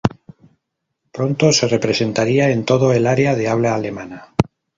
Pronto se representaría en toda el área de habla alemana.